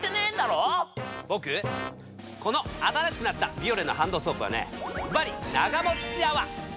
ボクこの新しくなったビオレのハンドソープはねズバリながもっち泡！